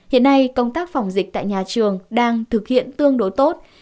hiện nay công tác phòng dịch tại nhà trường đang thực hiện tương đối tốt